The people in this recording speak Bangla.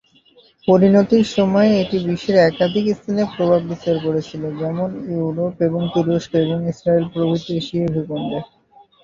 পরিণতির সময়ে এটি বিশ্বের একাধিক স্থানে প্রভাব বিস্তার করেছিল, যেমন ইউরোপ এবং তুরস্ক ও ইস্রায়েল প্রভৃতি এশীয় ভূখণ্ড।